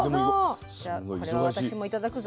じゃあこれは私も頂くぞ。